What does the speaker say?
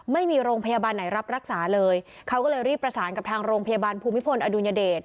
ไม่มีโรงพยาบาลไหนรับรักษาเลยเขาก็เลยรีบประสานกับทางโรงพยาบาลภูมิพลอดุลยเดช